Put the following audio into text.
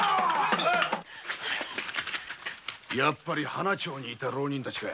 やっぱり「花長」にいた浪人たちか。